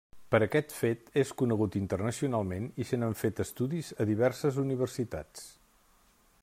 Per aquest fet és conegut internacionalment i se n'han fet estudis a diverses universitats.